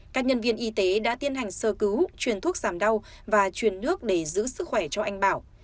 các nhân viên y tế đã tiến hành sơ cứu chuyển thuốc giảm đau và chuyển nước để giữ sức khỏe cho anh bảo